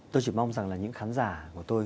tôi chỉ mong rằng là những khán giả của tôi